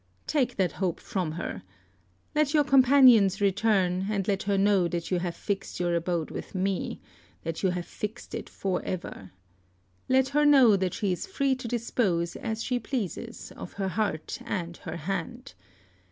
Take that hope from her. Let your companions return, and let her know that you have fixed your abode with me, that you have fixed it for ever. Let her know that she is free to dispose as she pleases of her heart and her hand.